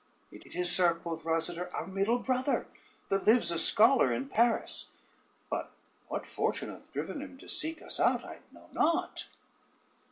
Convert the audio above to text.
"It is, sir," quoth Rosader, "our middle brother, that lives a scholar in Paris; but what fortune hath driven him to seek us out I know not."